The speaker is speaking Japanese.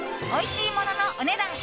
おいしいもののお値段